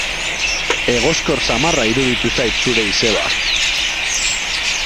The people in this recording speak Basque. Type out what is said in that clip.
Egoskor samarra iruditu zait zure izeba.